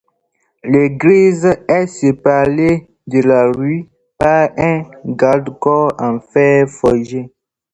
L'église est séparée de la rue par un garde-corps en fer forgé.